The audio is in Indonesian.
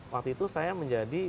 waktu itu saya menjadi